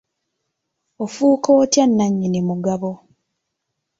Ofuuka otya nannyini mugabo?